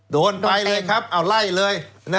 โดนไปเลยครับเอาไล่เลย